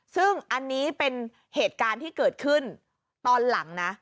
ซึ่งอันนี้เป็นเหตุการณ์ที่เกิดขึ้นตอนหลังนะ